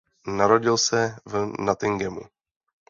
Narodil se v Nottinghamu.